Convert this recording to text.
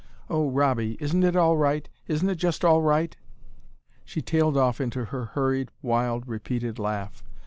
Oh, ROBBIE, isn't it all right, isn't it just all right?" She tailed off into her hurried, wild, repeated laugh.